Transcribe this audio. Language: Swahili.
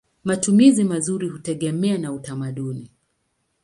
Matumizi mazuri hutegemea na utamaduni.